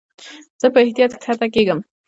زه په احتیاط کښته کېږم.